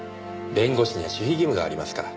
弁護士には守秘義務がありますから。